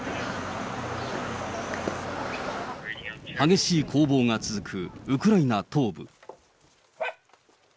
激しい攻防が続くウクライナ東部。